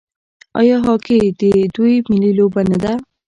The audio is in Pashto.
آیا هاکي د دوی ملي لوبه نه ده؟